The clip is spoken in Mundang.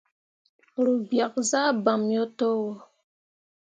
Ru biak zah bamme yo towo.